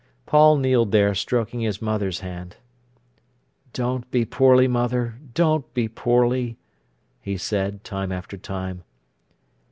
Paul kneeled there, stroking his mother's hand. "Don't be poorly, mother—don't be poorly!" he said time after time.